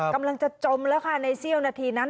กำลังจะจมแล้วค่ะในเสี้ยวนาทีนั้น